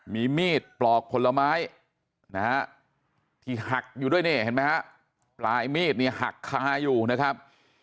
มีมีดปลอกผลไม้นะฮะที่หักอยู่ด้วยนี่เห็นไหมฮะปลายมีดเนี่ยหักคาอยู่นะครับ